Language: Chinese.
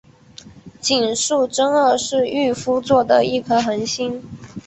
井宿增二是御夫座的一颗恒星。